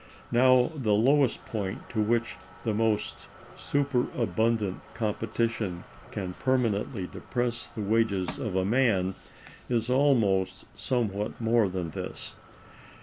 Now the lowest point to which the most superabundant competition can permanently depress the wages of a man is always somewhat more than this.